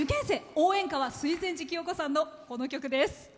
応援歌は水前寺清子さんの、この曲です。